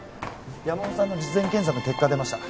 山本さんの術前検査の結果が出ました。